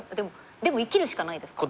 でも生きるしかないですか。